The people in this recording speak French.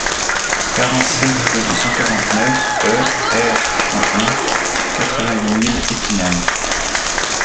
quarante-sept rue du cent quarante-neuf e R.un., quatre-vingt-huit mille Épinal